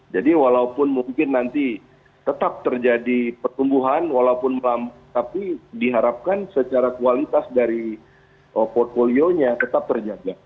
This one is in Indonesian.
jadi walaupun mungkin nanti tetap terjadi pertumbuhan walaupun melambung tapi diharapkan secara kualitas dari portfolio nya tetap terjaga